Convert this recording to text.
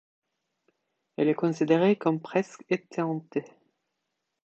Elle est considérée comme presque éteinte.